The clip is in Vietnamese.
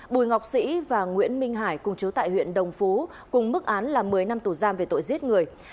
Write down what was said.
bùi ngọc sĩ và nguyễn minh hải cùng chú tại huyện đồng phú cùng mức án là một mươi năm tù giam về tội giết người